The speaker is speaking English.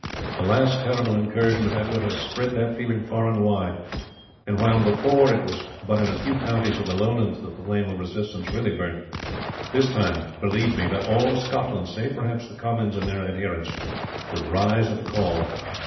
The last terrible incursion of Edward has spread that feeling far and wide, and while before it was but in a few counties of the lowlands that the flame of resistance really burnt, this time, believe me, that all Scotland, save perhaps the Comyns and their adherents, would rise at the call.